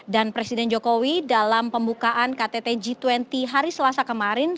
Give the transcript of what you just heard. dan presiden jokowi dalam pembukaan ktt g dua puluh hari selasa kemarin